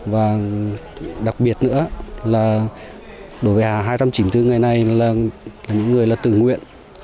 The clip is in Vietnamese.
và đặc biệt nữa là đối với hai trăm chín mươi bốn ngày nay là những người tự nguyện